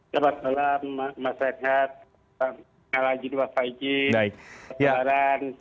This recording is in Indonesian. selamat malam mas sehat minal aidin wal faizin selamat lebaran